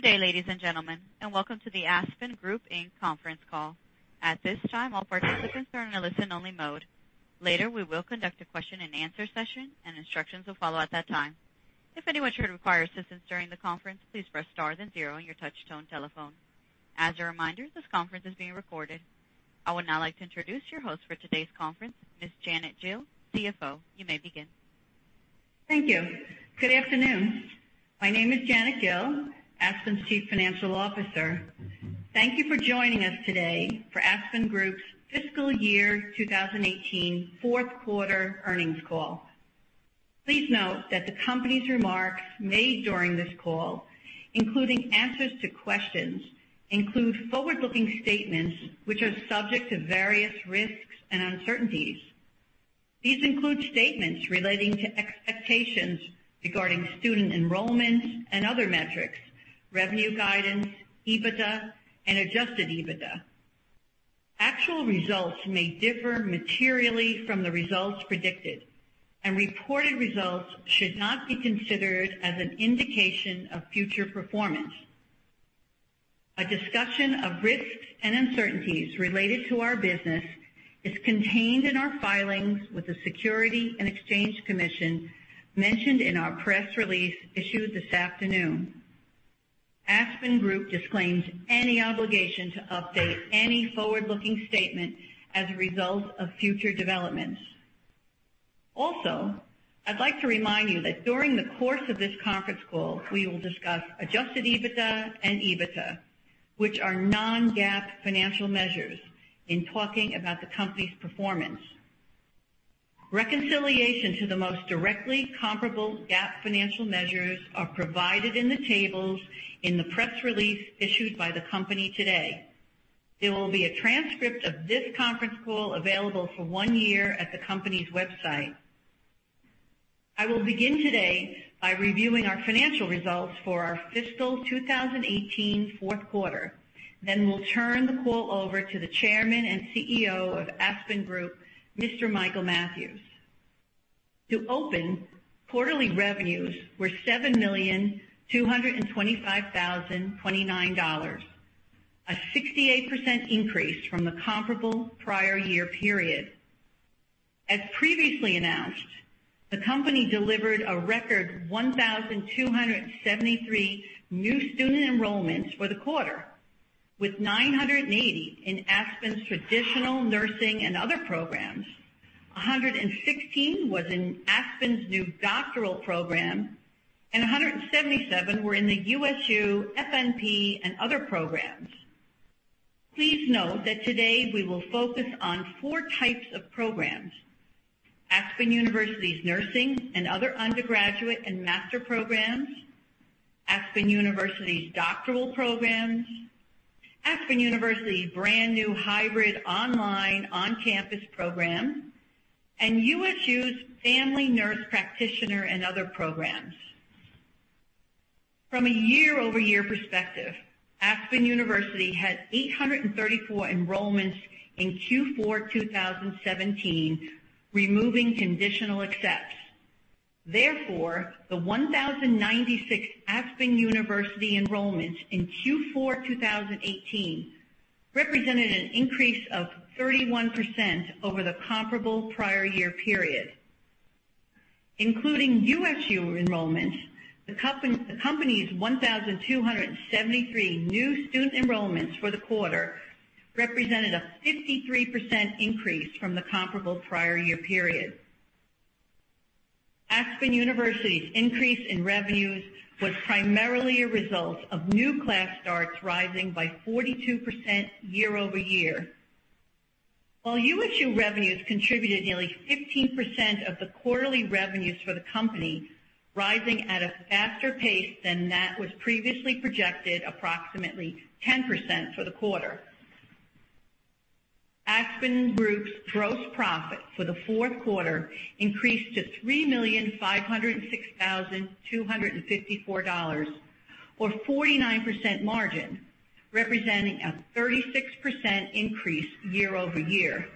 Good day, ladies and gentlemen, welcome to the Aspen Group, Inc. conference call. At this time, all participants are in a listen only mode. Later, we will conduct a question and answer session, and instructions will follow at that time. If anyone should require assistance during the conference, please press star then zero on your touchtone telephone. As a reminder, this conference is being recorded. I would now like to introduce your host for today's conference, Ms. Janet Gill, CFO. You may begin. Thank you. Good afternoon. My name is Janet Gill, Aspen's Chief Financial Officer. Thank you for joining us today for Aspen Group's fiscal year 2018 fourth quarter earnings call. Please note that the company's remarks made during this call, including answers to questions, include forward-looking statements which are subject to various risks and uncertainties. These include statements relating to expectations regarding student enrollments and other metrics, revenue guidance, EBITDA, and adjusted EBITDA. Actual results may differ materially from the results predicted, and reported results should not be considered as an indication of future performance. A discussion of risks and uncertainties related to our business is contained in our filings with the Securities and Exchange Commission mentioned in our press release issued this afternoon. Aspen Group disclaims any obligation to update any forward-looking statement as a result of future developments. I'd like to remind you that during the course of this conference call, we will discuss adjusted EBITDA and EBITDA, which are non-GAAP financial measures in talking about the company's performance. Reconciliation to the most directly comparable GAAP financial measures are provided in the tables in the press release issued by the company today. There will be a transcript of this conference call available for one year at the company's website. I will begin today by reviewing our financial results for our fiscal 2018 fourth quarter, then will turn the call over to the Chairman and Chief Executive Officer of Aspen Group, Mr. Michael Mathews. To open, quarterly revenues were $7,225,029, a 68% increase from the comparable prior year period. As previously announced, the company delivered a record 1,273 new student enrollments for the quarter, with 980 in Aspen's traditional nursing and other programs. 116 was in Aspen's new doctoral program, and 177 were in the USU FNP and other programs. Please note that today we will focus on 4 types of programs: Aspen University's nursing and other undergraduate and master programs, Aspen University's doctoral programs, Aspen University's brand new hybrid online/on-campus program, and USU's Family Nurse Practitioner and other programs. From a year-over-year perspective, Aspen University had 834 enrollments in Q4 2017, removing conditional accepts. Therefore, the 1,096 Aspen University enrollments in Q4 2018 represented an increase of 31% over the comparable prior year period. Including USU enrollments, the company's 1,273 new student enrollments for the quarter represented a 53% increase from the comparable prior year period. Aspen University's increase in revenues was primarily a result of new class starts rising by 42% year-over-year. While USU revenues contributed nearly 15% of the quarterly revenues for the company, rising at a faster pace than that was previously projected, approximately 10% for the quarter. Aspen Group's gross profit for the fourth quarter increased to $3,506,254, or 49% margin, representing a 36% increase year-over-year.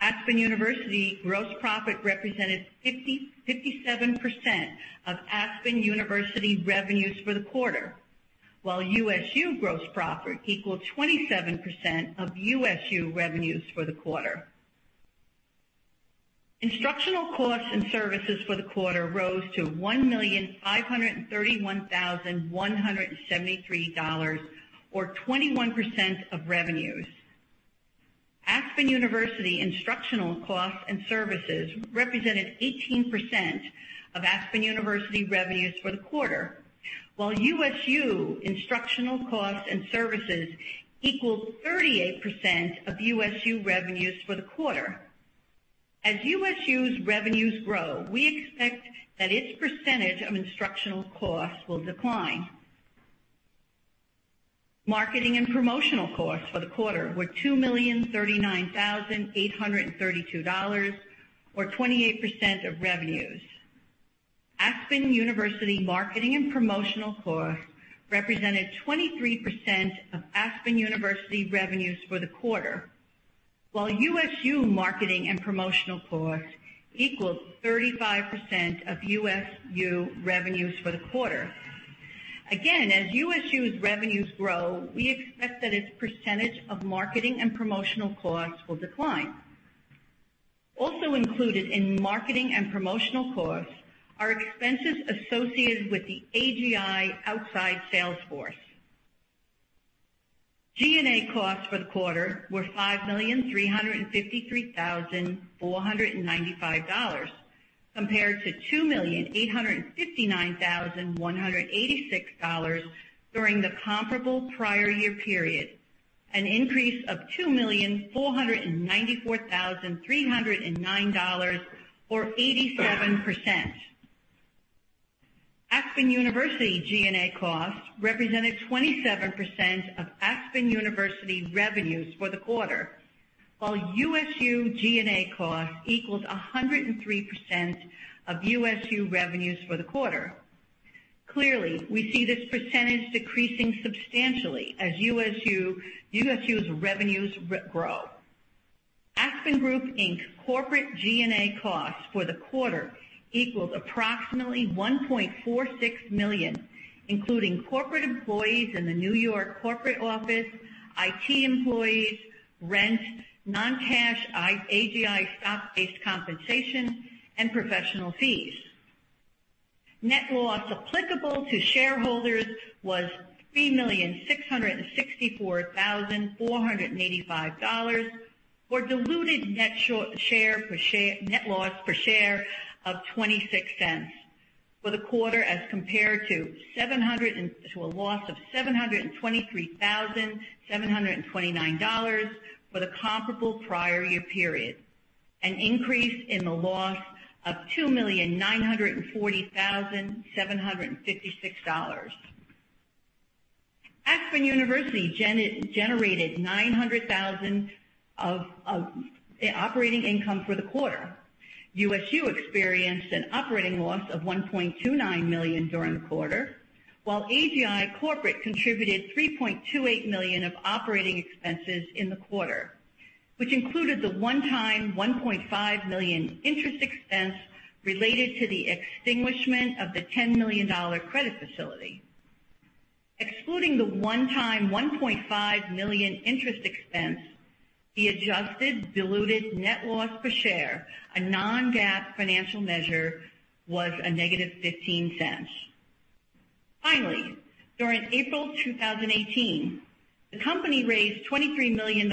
Aspen University gross profit represented 57% of Aspen University revenues for the quarter, while USU gross profit equaled 27% of USU revenues for the quarter. Instructional costs and services for the quarter rose to $1,531,173, or 21% of revenues. Aspen University instructional costs and services represented 18% of Aspen University revenues for the quarter, while USU instructional costs and services equaled 38% of USU revenues for the quarter. As USU's revenues grow, we expect that its percentage of instructional costs will decline. Marketing and promotional costs for the quarter were $2,039,832, or 28% of revenues. Aspen University marketing and promotional costs represented 23% of Aspen University revenues for the quarter. While USU marketing and promotional costs equaled 35% of USU revenues for the quarter. As USU's revenues grow, we expect that its percentage of marketing and promotional costs will decline. Also included in marketing and promotional costs are expenses associated with the AGI outside sales force. G&A costs for the quarter were $5,353,495 compared to $2,859,186 during the comparable prior year period, an increase of $2,494,309 or 87%. Aspen University G&A costs represented 27% of Aspen University revenues for the quarter, while USU G&A costs equals 103% of USU revenues for the quarter. We see this percentage decreasing substantially as USU's revenues grow. Aspen Group Inc.'s corporate G&A costs for the quarter equals approximately $1.46 million, including corporate employees in the New York corporate office, IT employees, rent, non-cash AGI stock-based compensation, and professional fees. Net loss applicable to shareholders was $3,664,485 or diluted net loss per share of $0.26 for the quarter as compared to a loss of $723,729 for the comparable prior year period, an increase in the loss of $2,940,756. Aspen University generated $900,000 of operating income for the quarter. USU experienced an operating loss of $1.29 million during the quarter, while AGI Corporate contributed $3.28 million of operating expenses in the quarter, which included the one-time $1.5 million interest expense related to the extinguishment of the $10 million credit facility. Excluding the one-time $1.5 million interest expense, the adjusted diluted net loss per share, a non-GAAP financial measure, was a negative $0.15. During April 2018, the company raised $23 million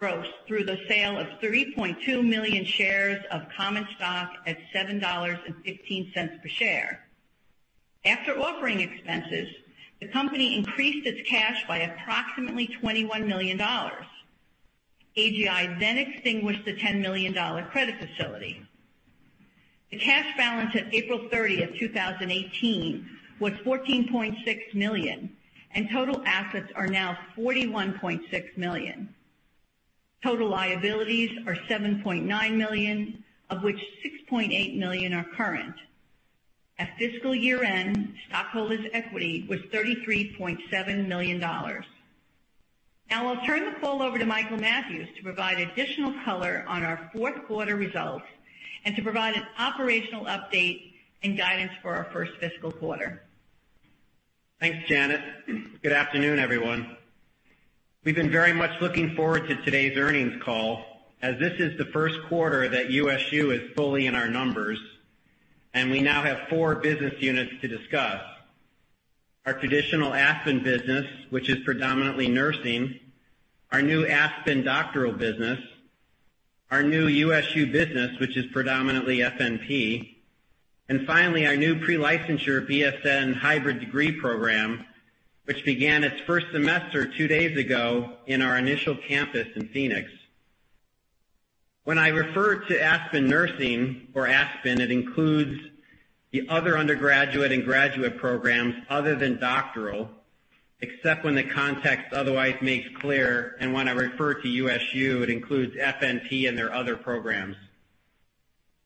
gross through the sale of 3.2 million shares of common stock at $7.15 per share. After offering expenses, the company increased its cash by approximately $21 million. AGI extinguished the $10 million credit facility. The cash balance at April 30th, 2018, was $14.6 million, and total assets are now $41.6 million. Total liabilities are $7.9 million, of which $6.8 million are current. At fiscal year-end, stockholders' equity was $33.7 million. I'll turn the call over to Michael Mathews to provide additional color on our fourth quarter results and to provide an operational update and guidance for our first fiscal quarter. Thanks, Janet. Good afternoon, everyone. We've been very much looking forward to today's earnings call, as this is the first quarter that USU is fully in our numbers, and we now have 4 business units to discuss. Our traditional Aspen business, which is predominantly nursing, our new Aspen doctoral business, our new USU business, which is predominantly FNP, and finally, our new pre-licensure BSN hybrid degree program, which began its first semester 2 days ago in our initial campus in Phoenix. When I refer to Aspen Nursing or Aspen, it includes the other undergraduate and graduate programs other than doctoral, except when the context otherwise makes clear, and when I refer to USU, it includes FNP and their other programs.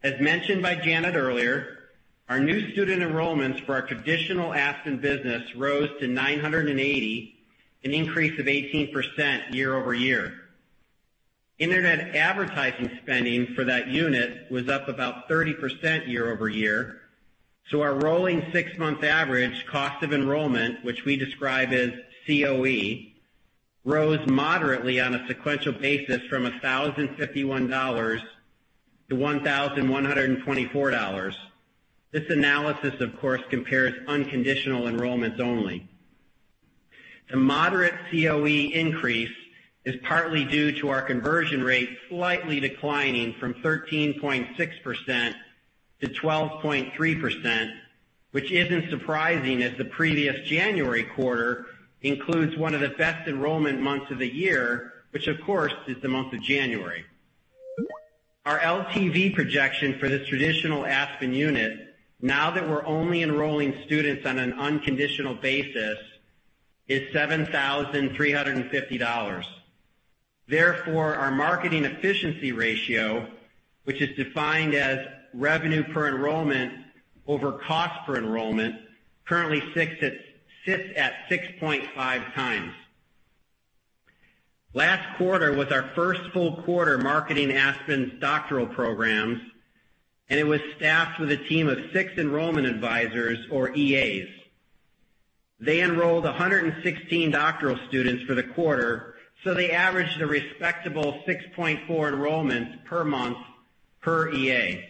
As mentioned by Janet earlier, our new student enrollments for our traditional Aspen business rose to 980, an increase of 18% year-over-year. Internet advertising spending for that unit was up about 30% year-over-year. Our rolling 6-month average cost of enrollment, which we describe as COE, rose moderately on a sequential basis from $1,051 to $1,124. This analysis, of course, compares unconditional enrollments only. The moderate COE increase is partly due to our conversion rate slightly declining from 13.6% to 12.3%, which isn't surprising as the previous January quarter includes 1 of the best enrollment months of the year, which of course is the month of January. Our LTV projection for this traditional Aspen unit, now that we're only enrolling students on an unconditional basis, is $7,350. Therefore, our marketing efficiency ratio which is defined as revenue per enrollment over cost per enrollment, currently sits at 6.5 times. Last quarter was our first full quarter marketing Aspen's doctoral programs, and it was staffed with a team of 6 enrollment advisors, or EAs. They enrolled 116 doctoral students for the quarter, so they averaged a respectable 6.4 enrollments per month per EA.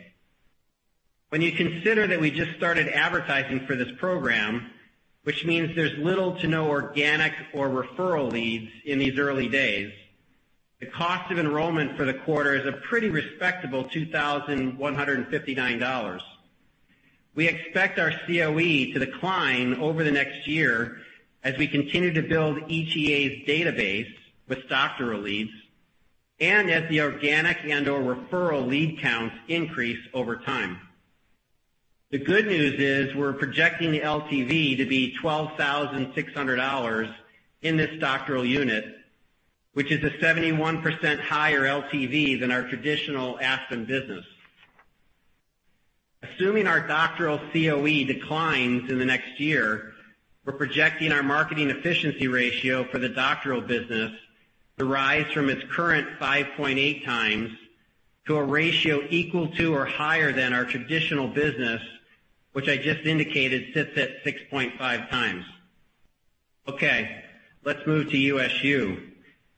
When you consider that we just started advertising for this program, which means there's little to no organic or referral leads in these early days, the cost of enrollment for the quarter is a pretty respectable $2,159. We expect our COE to decline over the next year as we continue to build each EA's database with doctoral leads and as the organic and/or referral lead counts increase over time. The good news is we're projecting the LTV to be $12,600 in this doctoral unit, which is a 71% higher LTV than our traditional Aspen business. Assuming our doctoral COE declines in the next year, we're projecting our marketing efficiency ratio for the doctoral business to rise from its current 5.8 times to a ratio equal to or higher than our traditional business, which I just indicated sits at 6.5 times. Let's move to USU,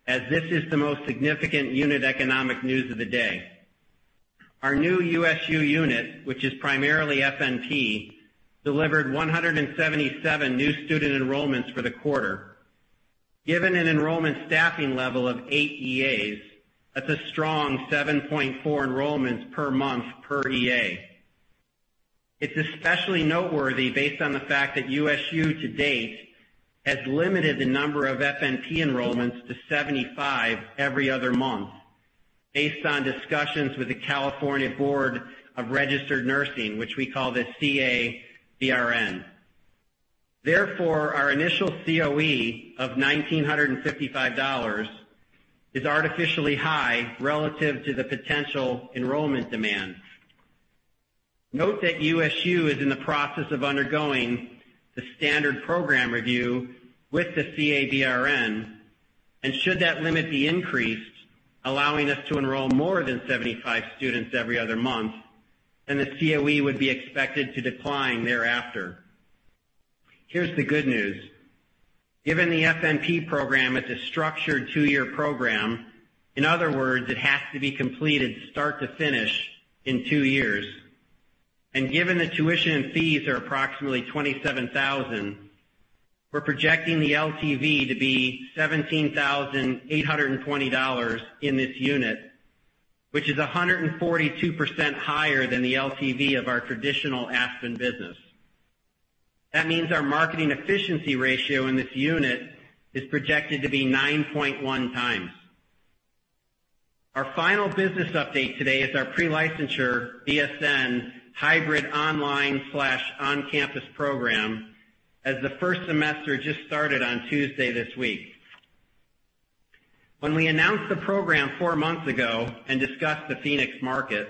as this is the most significant unit economic news of the day. Our new USU unit, which is primarily FNP, delivered 177 new student enrollments for the quarter. Given an enrollment staffing level of 8 EAs, that's a strong 7.4 enrollments per month per EA. It's especially noteworthy based on the fact that USU to date has limited the number of FNP enrollments to 75 every other month, based on discussions with the California Board of Registered Nursing, which we call the CABRN. Therefore, our initial COE of $1,955 is artificially high relative to the potential enrollment demand. Should that limit the increase, allowing us to enroll more than 75 students every other month, then the COE would be expected to decline thereafter. Here's the good news. Given the FNP program is a structured two-year program, in other words, it has to be completed start to finish in two years, and given that tuition and fees are approximately $27,000, we're projecting the LTV to be $17,820 in this unit, which is 142% higher than the LTV of our traditional Aspen business. That means our marketing efficiency ratio in this unit is projected to be 9.1 times. Our final business update today is our pre-licensure BSN hybrid online/on-campus program, as the first semester just started on Tuesday this week. When we announced the program four months ago and discussed the Phoenix market,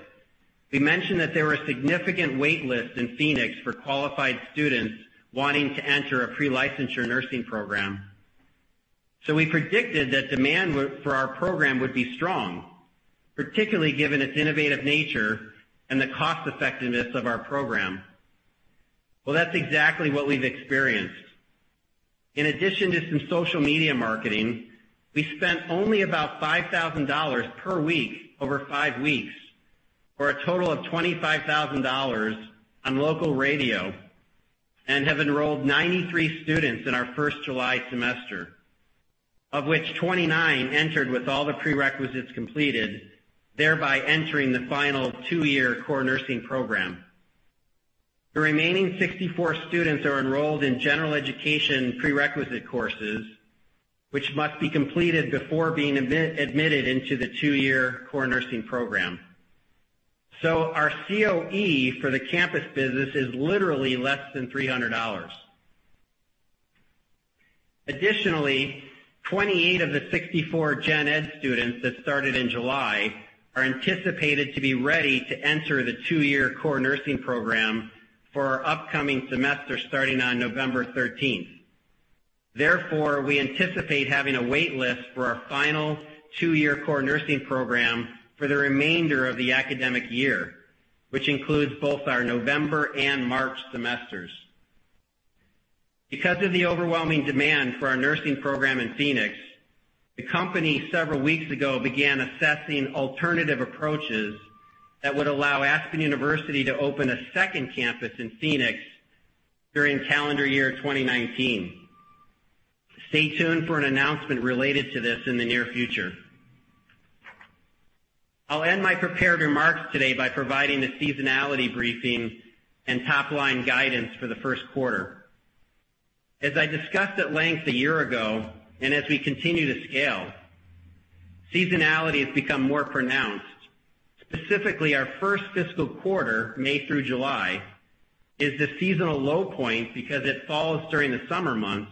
we mentioned that there were significant wait lists in Phoenix for qualified students wanting to enter a pre-licensure nursing program. We predicted that demand for our program would be strong, particularly given its innovative nature and the cost effectiveness of our program. Well, that's exactly what we've experienced. In addition to some social media marketing, we spent only about $5,000 per week over five weeks, for a total of $25,000 on local radio, and have enrolled 93 students in our first July semester, of which 29 entered with all the prerequisites completed, thereby entering the final two-year core nursing program. The remaining 64 students are enrolled in general education prerequisite courses, which must be completed before being admitted into the two-year core nursing program. Our COE for the campus business is literally less than $300. Additionally, 28 of the 64 gen ed students that started in July are anticipated to be ready to enter the two-year core nursing program for our upcoming semester starting on November 13th. We anticipate having a wait list for our final two-year core nursing program for the remainder of the academic year, which includes both our November and March semesters. Because of the overwhelming demand for our nursing program in Phoenix, the company several weeks ago began assessing alternative approaches that would allow Aspen University to open a second campus in Phoenix during calendar year 2019. Stay tuned for an announcement related to this in the near future. I'll end my prepared remarks today by providing the seasonality briefing and top-line guidance for the first quarter. As I discussed at length a year ago, as we continue to scale, seasonality has become more pronounced. Specifically, our first fiscal quarter, May through July, is the seasonal low point because it falls during the summer months.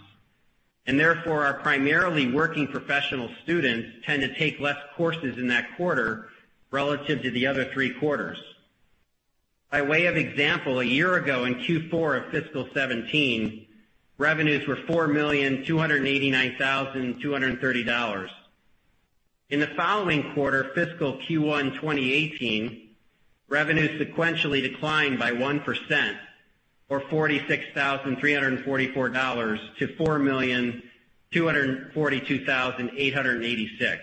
Therefore, our primarily working professional students tend to take less courses in that quarter relative to the other three quarters. By way of example, a year ago in Q4 of fiscal 2017, revenues were $4,289,230. In the following quarter, fiscal Q1 2018, revenues sequentially declined by 1%, or $46,344, to $4,242,886.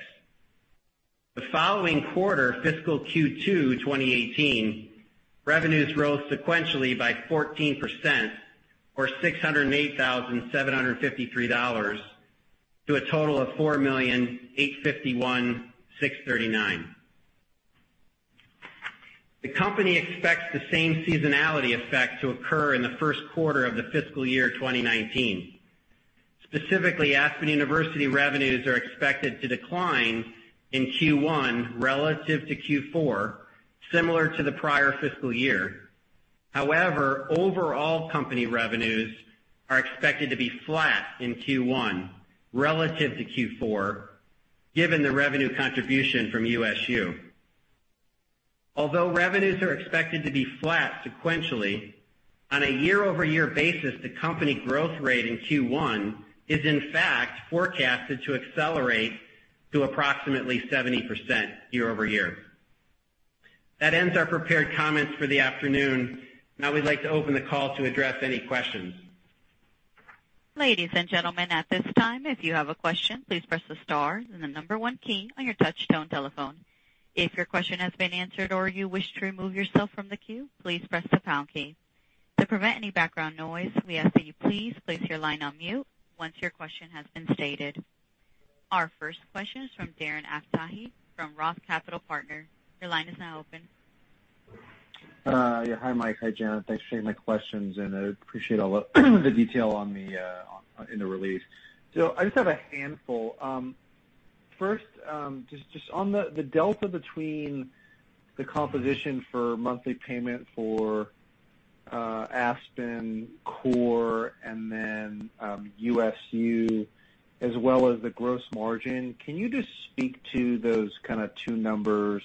The following quarter, fiscal Q2 2018, revenues rose sequentially by 14%, or $608,753, to a total of $4,851,639. The company expects the same seasonality effect to occur in the first quarter of the fiscal year 2019. Specifically, Aspen University revenues are expected to decline in Q1 relative to Q4, similar to the prior fiscal year. However, overall company revenues are expected to be flat in Q1 relative to Q4, given the revenue contribution from USU. Although revenues are expected to be flat sequentially, on a year-over-year basis, the company growth rate in Q1 is, in fact, forecasted to accelerate to approximately 70% year-over-year. That ends our prepared comments for the afternoon. We'd like to open the call to address any questions. Ladies and gentlemen, at this time, if you have a question, please press the star and the number 1 key on your touchtone telephone. If your question has been answered or you wish to remove yourself from the queue, please press the pound key. To prevent any background noise, we ask that you please place your line on mute once your question has been stated. Our first question is from Darren Aftahi from ROTH Capital Partners. Your line is now open. Hi, Mike. Hi, Janet. Thanks for taking my questions. I appreciate all the detail in the release. I just have a handful. First, just on the delta between the composition for monthly payment for Aspen Core and then USU, as well as the gross margin, can you just speak to those 2 numbers?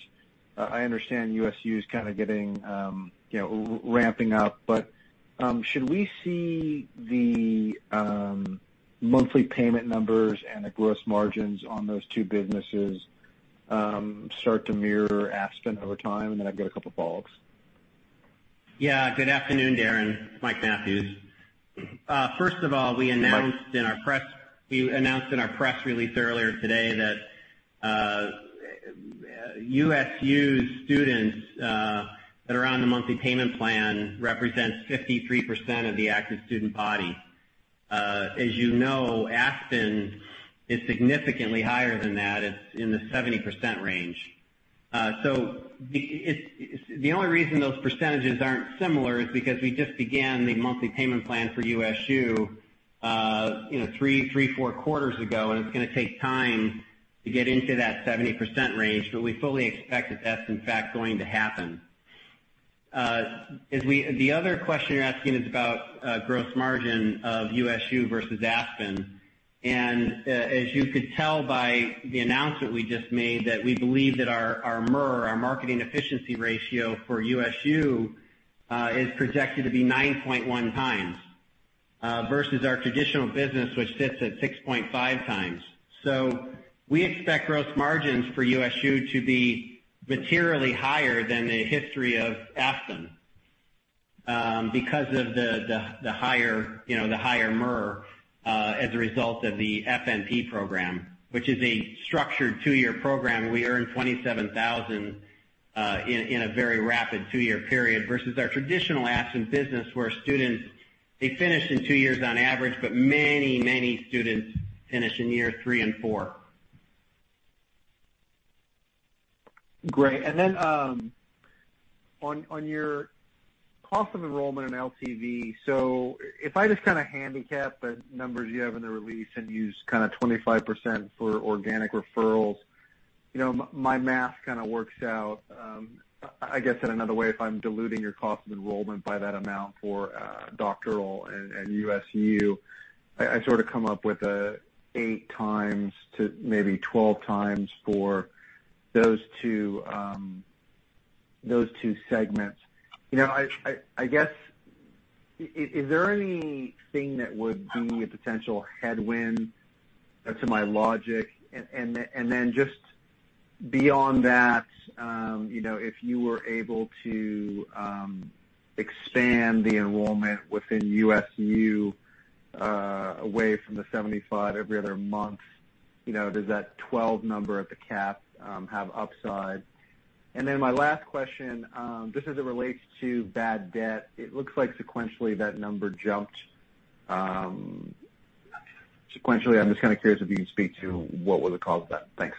I understand USU's ramping up, but should we see the monthly payment numbers and the gross margins on those two businesses start to mirror Aspen over time? I've got a couple follow-ups. Yeah. Good afternoon, Darren. Michael Mathews. First of all, we announced in our press release earlier today that USU students that are on the monthly payment plan represent 53% of the active student body. As you know, Aspen is significantly higher than that. It's in the 70% range. The only reason those percentages aren't similar is because we just began the monthly payment plan for USU three, four quarters ago, and it's going to take time to get into that 70% range. We fully expect that that's, in fact, going to happen. The other question you're asking is about gross margin of USU versus Aspen. As you could tell by the announcement we just made, that we believe that our MER, our marketing efficiency ratio, for USU is projected to be 9.1 times versus our traditional business, which sits at 6.5 times. We expect gross margins for USU to be materially higher than the history of Aspen because of the higher MER as a result of the FNP program, which is a structured two-year program. We earn $27,000 in a very rapid two-year period versus our traditional Aspen business where students, they finish in two years on average, but many students finish in year three and four. Great. On your cost of enrollment and LTV, if I just kind of handicap the numbers you have in the release and use 25% for organic referrals, my math kind of works out. I guess said another way, if I'm diluting your cost of enrollment by that amount for doctoral and USU, I sort of come up with an eight times to maybe 12 times for those two segments. I guess, is there anything that would be a potential headwind to my logic? Then just beyond that, if you were able to expand the enrollment within USU away from the 75 every other month, does that 12 number at the cap have upside? My last question, just as it relates to bad debt, it looks like sequentially that number jumped. Sequentially, I'm just kind of curious if you can speak to what would have caused that. Thanks.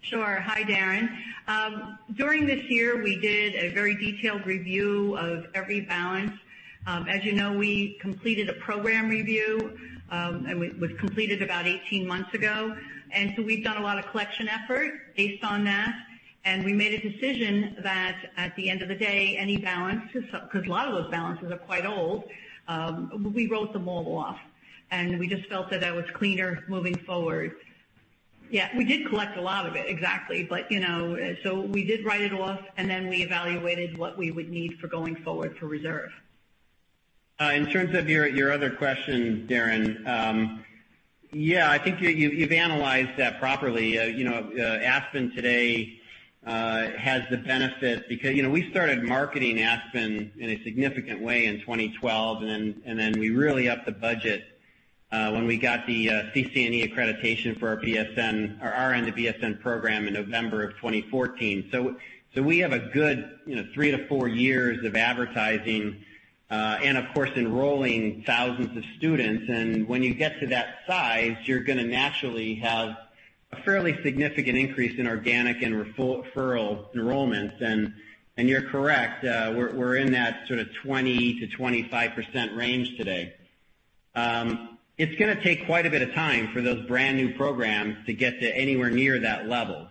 Sure. Hi, Darren. During this year, we did a very detailed review of every balance. As you know, we completed a program review, and it was completed about 18 months ago. We've done a lot of collection efforts based on that. We made a decision that at the end of the day, any balance, because a lot of those balances are quite old, we wrote them all off. We just felt that that was cleaner moving forward. Yeah, we did collect a lot of it, exactly. We did write it off, then we evaluated what we would need for going forward for reserve. In terms of your other question, Darren. I think you've analyzed that properly. Aspen today has the benefit because we started marketing Aspen in a significant way in 2012, we really upped the budget when we got the CCNE accreditation for our RN to BSN program in November of 2014. We have a good three to four years of advertising. Of course, enrolling thousands of students. When you get to that size, you're going to naturally have a fairly significant increase in organic and referral enrollments. You're correct, we're in that 20%-25% range today. It's going to take quite a bit of time for those brand new programs to get to anywhere near that level.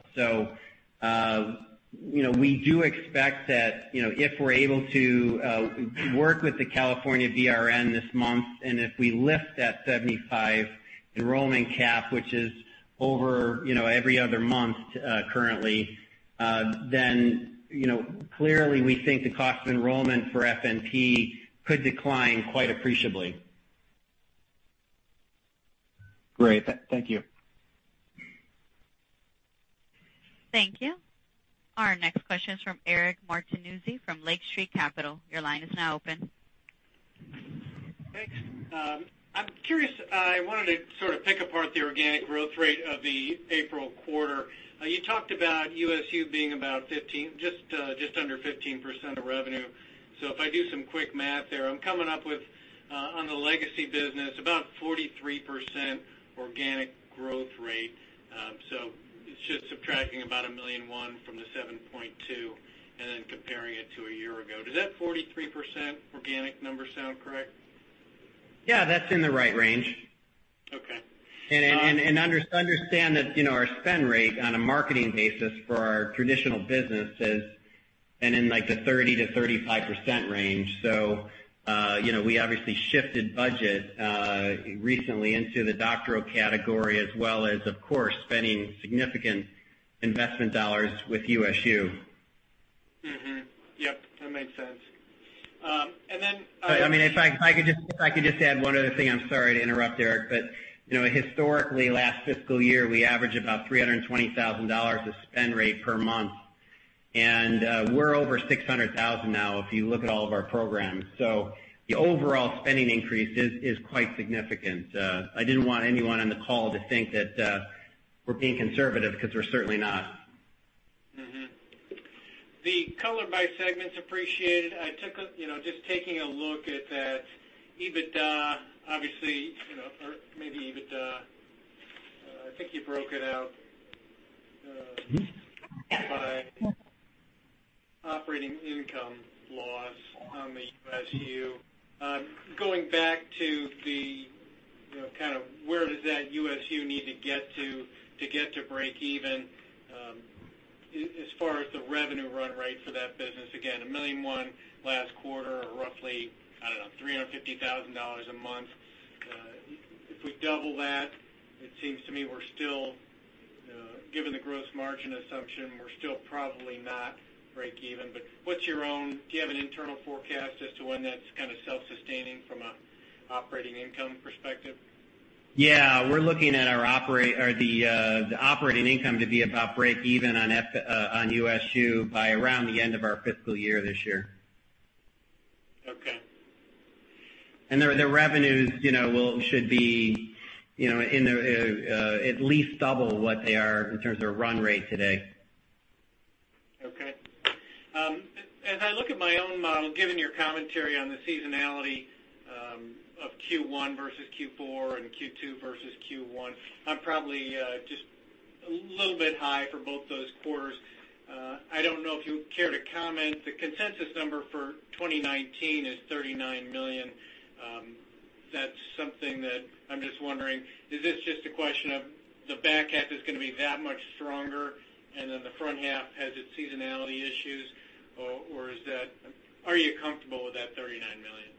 We do expect that if we're able to work with the California BRN this month, and if we lift that 75 enrollment cap, which is over every other month currently, then clearly we think the cost of enrollment for FNP could decline quite appreciably. Great. Thank you. Thank you. Our next question is from Eric Martinuzzi from Lake Street Capital Markets. Your line is now open. Thanks. I'm curious, I wanted to sort of pick apart the organic growth rate of the April quarter. You talked about USU being just under 15% of revenue. If I do some quick math there, I'm coming up with, on the legacy business, about 43% organic growth rate. It's just subtracting about $1.1 million from the $7.2 million and then comparing it to a year ago. Does that 43% organic number sound correct? Yeah, that's in the right range. Okay. Understand that our spend rate on a marketing basis for our traditional business is in the 30%-35% range. We obviously shifted budget recently into the doctoral category as well as, of course, spending significant investment dollars with USU. Mm-hmm. Yep, that makes sense. If I could just add one other thing. I'm sorry to interrupt, Eric. Historically, last fiscal year, we averaged about $320,000 of spend rate per month. We're over $600,000 now if you look at all of our programs. The overall spending increase is quite significant. I didn't want anyone on the call to think that we're being conservative, because we're certainly not. The color by segment's appreciated. Just taking a look at that, EBITDA, obviously, or maybe EBITDA I think you broke it out by operating income loss on the USU. Going back to the kind of where does that USU need to get to get to break even as far as the revenue run rate for that business. Again, $1.1 million last quarter or roughly, I don't know, $350,000 a month. If we double that, it seems to me, given the gross margin assumption, we're still probably not break even. Do you have an internal forecast as to when that's kind of self-sustaining from an operating income perspective? We're looking at the operating income to be about break even on USU by around the end of our fiscal year this year. Okay. The revenues should be at least double what they are in terms of run rate today. Okay. As I look at my own model, given your commentary on the seasonality of Q1 versus Q4 and Q2 versus Q1, I'm probably just a little bit high for both those quarters. I don't know if you care to comment. The consensus number for 2019 is $39 million. That's something that I'm just wondering, is this just a question of the back half is going to be that much stronger, and then the front half has its seasonality issues? Or are you comfortable with that $39 million?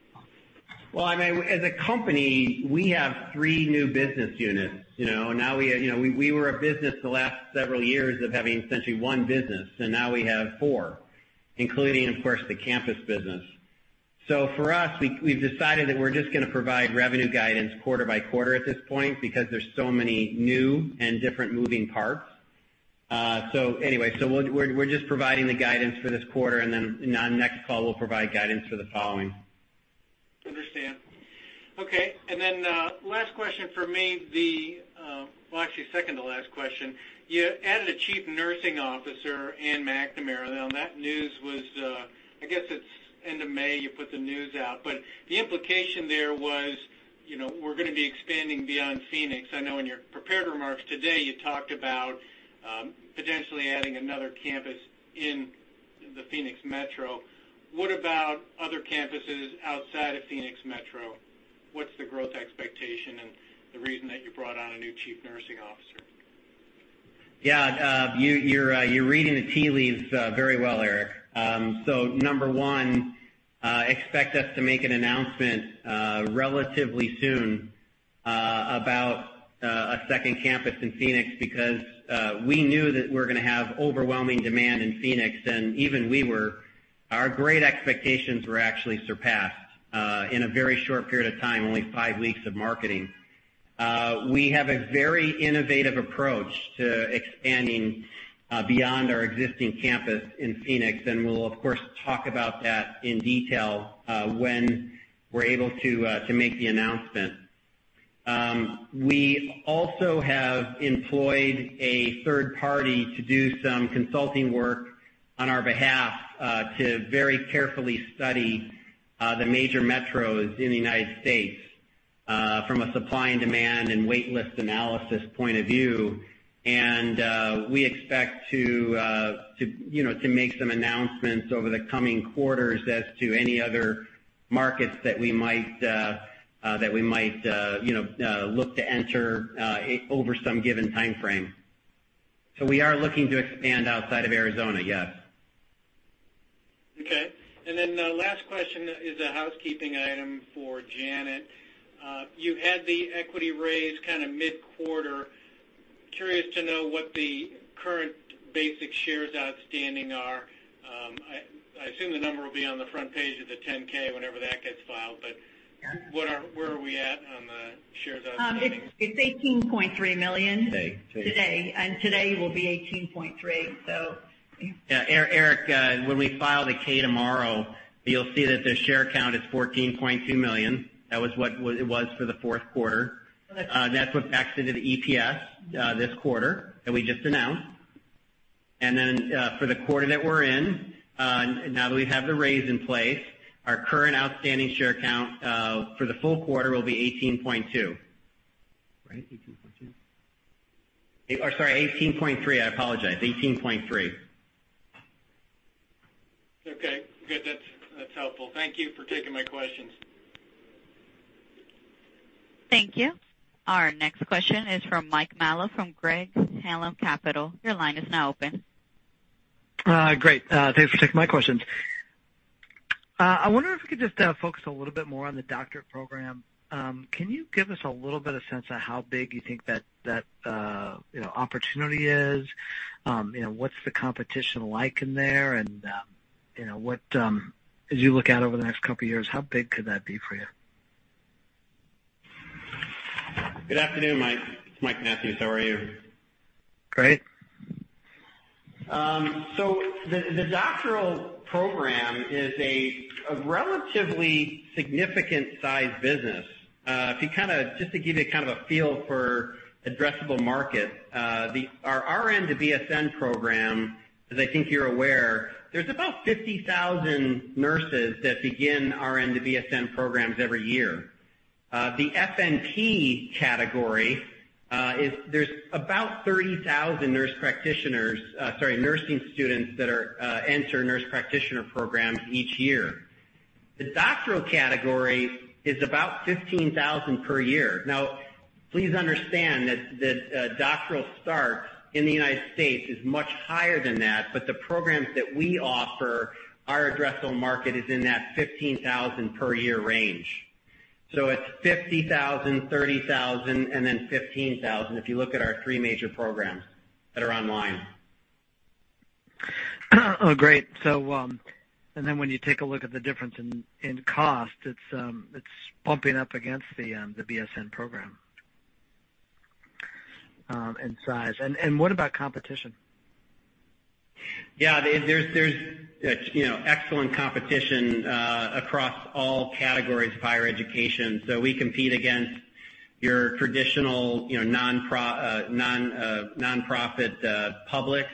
Well, as a company, we have three new business units. We were a business the last several years of having essentially one business, and now we have four, including, of course, the campus business. For us, we've decided that we're just going to provide revenue guidance quarter by quarter at this point because there's so many new and different moving parts. Anyway, we're just providing the guidance for this quarter, and then on next call, we'll provide guidance for the following. Understand. Okay. Last question for me. Well, actually second to last question. You added a Chief Nursing Officer, Anne McNamara. That news was, I guess it's end of May you put the news out. The implication there was we're going to be expanding beyond Phoenix. I know in your prepared remarks today, you talked about potentially adding another campus in the Phoenix Metro. What about other campuses outside of Phoenix Metro? What's the growth expectation and the reason that you brought on a new Chief Nursing Officer? Yeah. You're reading the tea leaves very well, Eric. Number 1, expect us to make an announcement relatively soon about a second campus in Phoenix, because we knew that we're going to have overwhelming demand in Phoenix, and even our great expectations were actually surpassed in a very short period of time, only five weeks of marketing. We have a very innovative approach to expanding beyond our existing campus in Phoenix, and we'll of course, talk about that in detail when we're able to make the announcement. We also have employed a third party to do some consulting work on our behalf, to very carefully study the major metros in the U.S. from a supply and demand and wait list analysis point of view. We expect to make some announcements over the coming quarters as to any other markets that we might look to enter over some given timeframe. We are looking to expand outside of Arizona, yes. Okay. The last question is a housekeeping item for Janet. You had the equity raise mid-quarter. Curious to know what the current basic shares outstanding are. I assume the number will be on the front page of the 10-K, whenever that gets filed. Where are we at on the shares outstanding? It's 18.3 million today. Today will be 18.3. Yeah. Eric, when we file the K tomorrow, you'll see that the share count is 14.2 million. That was what it was for the fourth quarter. That's what backs into the EPS this quarter that we just announced. For the quarter that we're in, now that we have the raise in place, our current outstanding share count for the full quarter will be 18.2. Right? 18.2. Or sorry, 18.3. I apologize, 18.3. Okay, good. That's helpful. Thank you for taking my questions. Thank you. Our next question is from Mike Mallow from Craig-Hallum Capital Group. Your line is now open. Great. Thanks for taking my questions. I wonder if we could just focus a little bit more on the doctorate program. Can you give us a little bit of sense on how big you think that opportunity is? What's the competition like in there, and as you look out over the next couple of years, how big could that be for you? Good afternoon, Mike. It's Mike Mathews. How are you? Great. The doctoral program is a relatively significant size business. Just to give you a feel for addressable market, our RN to BSN program, as I think you're aware, there's about 50,000 nurses that begin RN to BSN programs every year. The FNP category, there's about 30,000 nursing students that enter nurse practitioner programs each year. The doctoral category is about 15,000 per year. Now, please understand that doctoral start in the U.S. is much higher than that, but the programs that we offer, our addressable market is in that 15,000 per year range. It's 50,000, 30,000, and then 15,000, if you look at our three major programs that are online. Great. When you take a look at the difference in cost, it's bumping up against the BSN program in size. What about competition? Yeah, there's excellent competition across all categories of higher education. We compete against your traditional non-profit publics.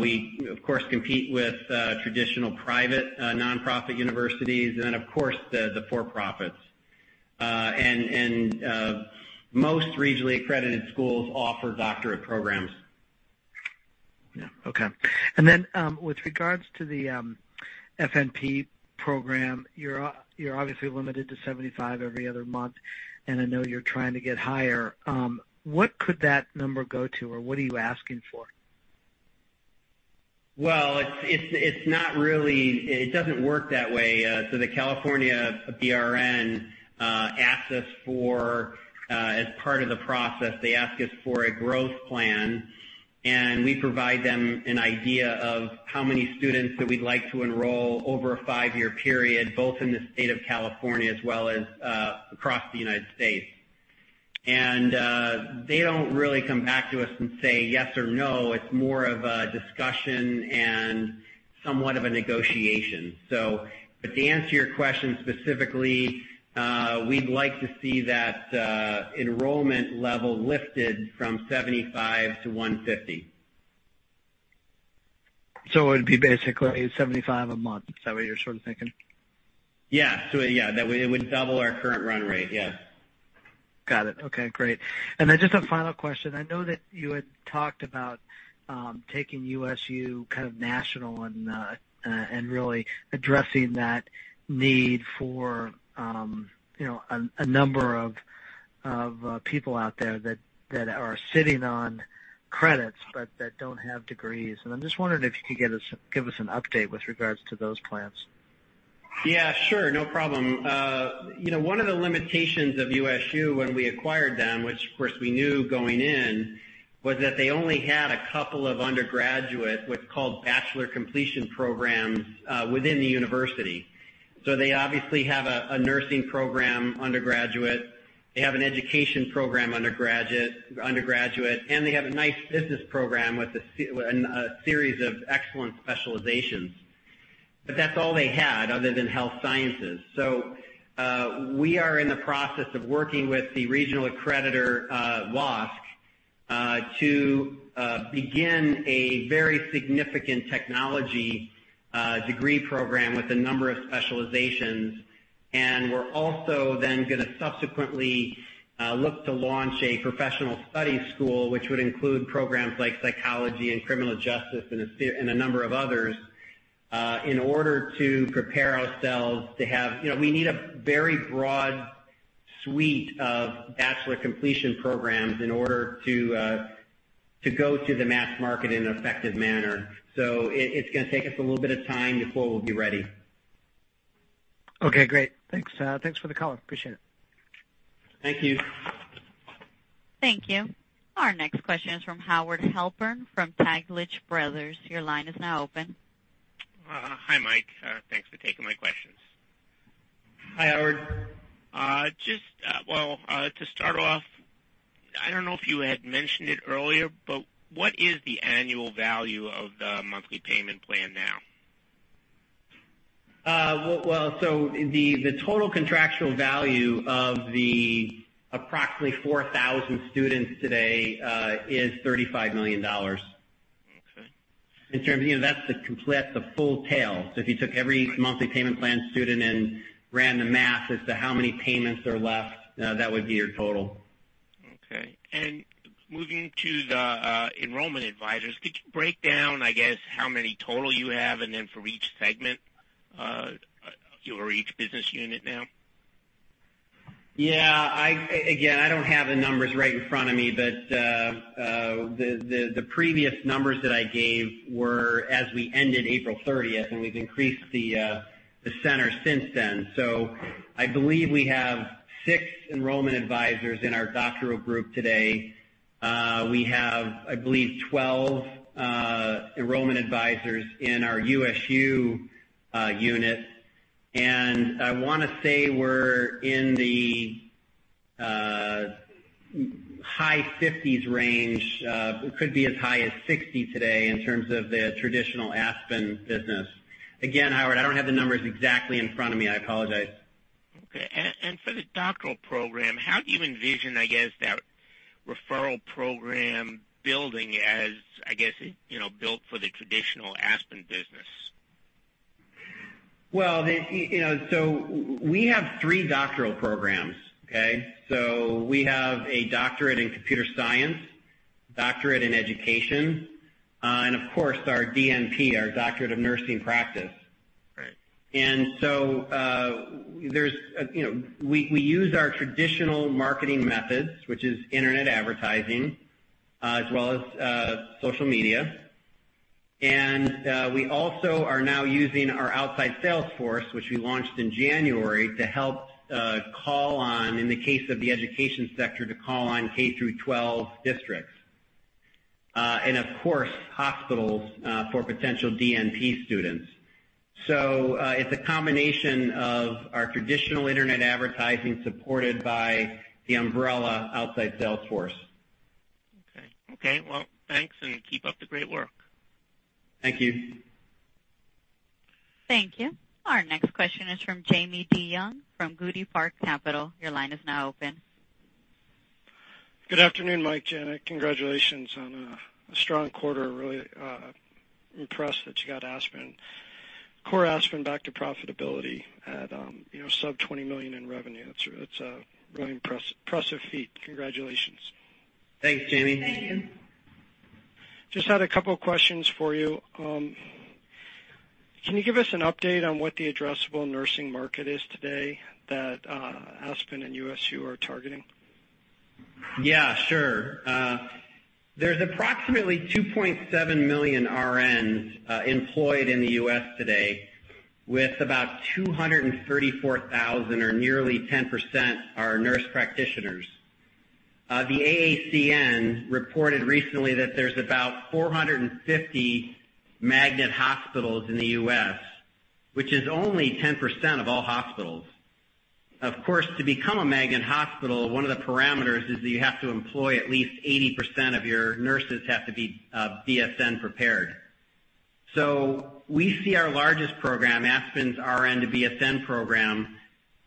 We, of course, compete with traditional private non-profit universities, and then, of course, the for-profits. Most regionally accredited schools offer doctorate programs. Yeah. Okay. With regards to the FNP program, you're obviously limited to 75 every other month, and I know you're trying to get higher. What could that number go to, or what are you asking for? It doesn't work that way. The California BRN, as part of the process, they ask us for a growth plan, and we provide them an idea of how many students that we'd like to enroll over a five-year period, both in the state of California as well as across the United States. They don't really come back to us and say yes or no. It's more of a discussion and somewhat of a negotiation. To answer your question specifically, we'd like to see that enrollment level lifted from 75 to 150. It would be basically 75 a month. Is that what you're sort of thinking? Yeah. That it would double our current run rate. Yes. Got it. Okay, great. Just a final question. I know that you had talked about taking USU national and really addressing that need for a number of people out there that are sitting on credits but that don't have degrees. I'm just wondering if you could give us an update with regards to those plans. Yeah, sure. No problem. One of the limitations of USU when we acquired them, which, of course, we knew going in, was that they only had a couple of undergraduate, what's called bachelor completion programs, within the university. They obviously have a nursing program, undergraduate, they have an education program, undergraduate, and they have a nice business program with a series of excellent specializations. That's all they had other than health sciences. We are in the process of working with the regional accreditor, WASC, to begin a very significant technology degree program with a number of specializations. We're also going to subsequently look to launch a professional studies school, which would include programs like psychology and criminal justice and a number of others, in order to prepare ourselves. We need a very broad suite of bachelor completion programs in order to go to the mass market in an effective manner. It's going to take us a little bit of time before we'll be ready. Okay, great. Thanks for the call. Appreciate it. Thank you. Thank you. Our next question is from Howard Halpern from Taglich Brothers. Your line is now open. Hi, Mike. Thanks for taking my questions. Hi, Howard. Just to start off, I don't know if you had mentioned it earlier, but what is the annual value of the monthly payment plan now? The total contractual value of the approximately 4,000 students today is $35 million. Okay. That's the full tail. If you took every monthly payment plan student and ran the math as to how many payments are left, that would be your total. Okay. Moving to the enrollment advisors, could you break down, I guess, how many total you have, and then for each segment or each business unit now? Yeah. Again, I don't have the numbers right in front of me, but the previous numbers that I gave were as we ended April 30th, and we've increased the center since then. I believe we have six enrollment advisors in our doctoral group today. We have, I believe, 12 enrollment advisors in our USU unit. I want to say we're in the high 50s range. It could be as high as 60 today in terms of the traditional Aspen business. Again, Howard, I don't have the numbers exactly in front of me. I apologize. Okay. For the doctoral program, how do you envision, I guess, that referral program building as built for the traditional Aspen business? We have three doctoral programs. We have a doctorate in computer science, doctorate in education, and of course, our DNP, our doctorate of nursing practice. Right. We use our traditional marketing methods, which is internet advertising, as well as social media. We also are now using our outside sales force, which we launched in January to help call on, in the case of the education sector, to call on K through 12 districts. Of course, hospitals for potential DNP students. It's a combination of our traditional internet advertising supported by the umbrella outside sales force. Okay. Well, thanks, and keep up the great work. Thank you. Thank you. Our next question is from Jamie DeYoung from Goudy Park Capital. Your line is now open. Good afternoon, Mike, Janet. Congratulations on a strong quarter. Really impressed that you got core Aspen back to profitability at sub-$20 million in revenue. That's a really impressive feat. Congratulations. Thanks, Jamie. Thank you. Just had a couple of questions for you. Can you give us an update on what the addressable nursing market is today that Aspen and USU are targeting? Yeah, sure. There's approximately 2.7 million RNs employed in the U.S. today with about 234,000 or nearly 10% are nurse practitioners. The AACN reported recently that there's about 450 Magnet hospitals in the U.S., which is only 10% of all hospitals. Of course, to become a Magnet hospital, one of the parameters is that you have to employ at least 80% of your nurses have to be BSN prepared. We see our largest program, Aspen's RN to BSN program,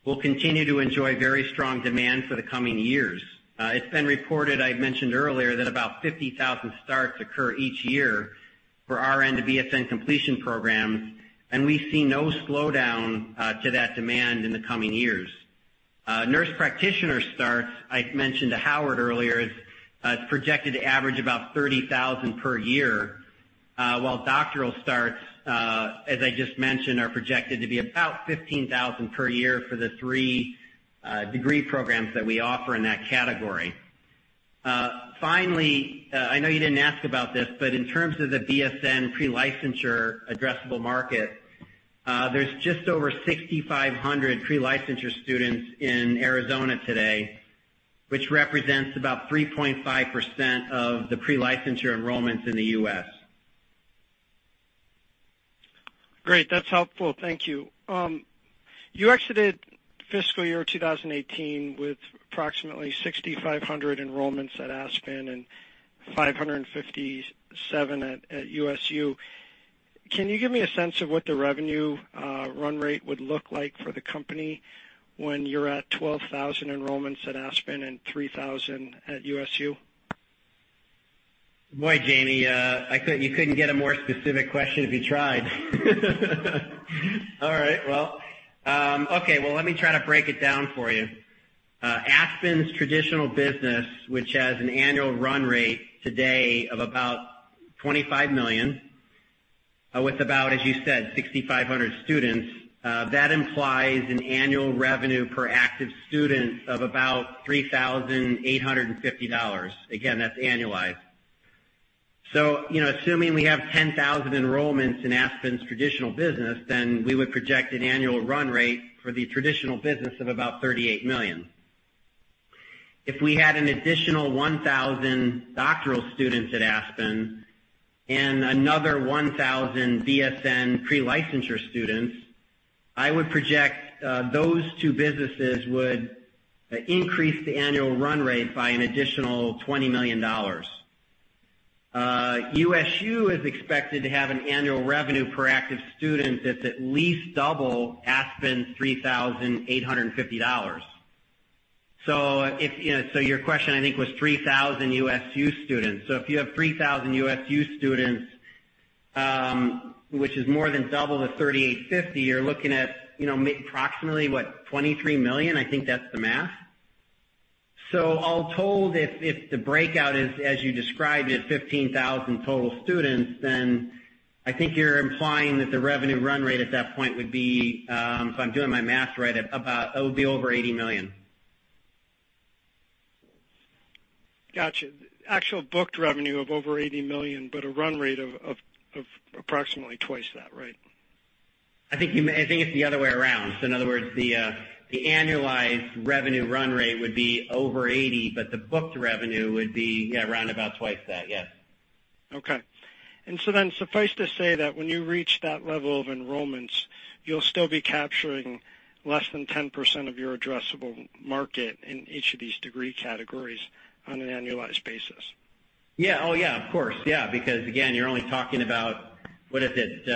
will continue to enjoy very strong demand for the coming years. It's been reported, I mentioned earlier, that about 50,000 starts occur each year for RN to BSN completion programs, and we see no slowdown to that demand in the coming years. Nurse practitioner starts, I mentioned to Howard earlier, is projected to average about 30,000 per year While doctoral starts, as I just mentioned, are projected to be about 15,000 per year for the three degree programs that we offer in that category. Finally, I know you didn't ask about this, but in terms of the BSN pre-licensure addressable market, there's just over 6,500 pre-licensure students in Arizona today, which represents about 3.5% of the pre-licensure enrollments in the U.S. Great. That's helpful. Thank you. You exited fiscal year 2018 with approximately 6,500 enrollments at Aspen and 557 at USU. Can you give me a sense of what the revenue run rate would look like for the company when you're at 12,000 enrollments at Aspen and 3,000 at USU? Boy, Jamie, you couldn't get a more specific question if you tried. All right. Well, okay. Well, let me try to break it down for you. Aspen's traditional business, which has an annual run rate today of about $25 million, with about, as you said, 6,500 students, that implies an annual revenue per active student of about $3,850. Again, that's annualized. Assuming we have 10,000 enrollments in Aspen's traditional business, we would project an annual run rate for the traditional business of about $38 million. If we had an additional 1,000 doctoral students at Aspen and another 1,000 BSN pre-licensure students, I would project those two businesses would increase the annual run rate by an additional $20 million. USU is expected to have an annual revenue per active student that's at least double Aspen's $3,850. Your question, I think, was 3,000 USU students. If you have 3,000 USU students, which is more than double the 3,850, you're looking at approximately, what, $23 million? I think that's the math. All told, if the breakout is as you described it, 15,000 total students, I think you're implying that the revenue run rate at that point would be, if I'm doing my math right, it would be over $80 million. Got you. Actual booked revenue of over $80 million, a run rate of approximately twice that, right? I think it's the other way around. In other words, the annualized revenue run rate would be over $80, but the booked revenue would be roundabout twice that. Yes. Okay. Suffice to say that when you reach that level of enrollments, you'll still be capturing less than 10% of your addressable market in each of these degree categories on an annualized basis. Yeah. Oh, yeah. Of course. Yeah. Because again, you're only talking about, what is it?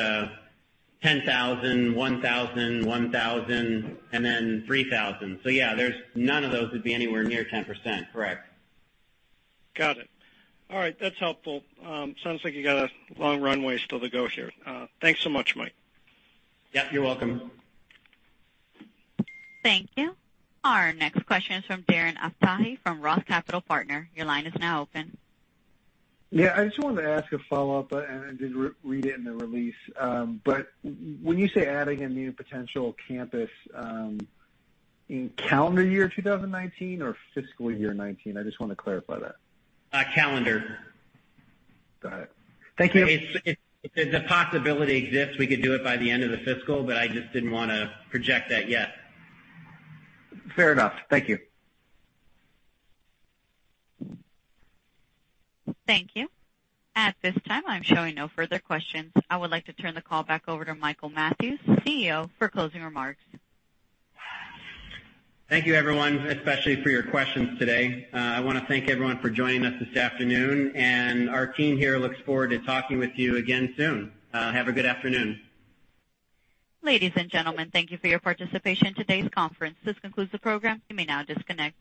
10,000, 1,000, 1,000, and then 3,000. Yeah, none of those would be anywhere near 10%. Correct. Got it. All right. That's helpful. Sounds like you got a long runway still to go here. Thanks so much, Mike. Yep, you're welcome. Thank you. Our next question is from Darren Aftahi from ROTH Capital Partners. Your line is now open. Yeah, I just wanted to ask a follow-up, and I did read it in the release. When you say adding a new potential campus, in calendar year 2019 or fiscal year 2019? I just want to clarify that. Calendar. Got it. Thank you. If the possibility exists, we could do it by the end of the fiscal, but I just didn't want to project that yet. Fair enough. Thank you. Thank you. At this time, I'm showing no further questions. I would like to turn the call back over to Michael Mathews, CEO, for closing remarks. Thank you, everyone, especially for your questions today. I want to thank everyone for joining us this afternoon. Our team here looks forward to talking with you again soon. Have a good afternoon. Ladies and gentlemen, thank you for your participation in today's conference. This concludes the program. You may now disconnect.